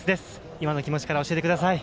今の気持ちから教えてください。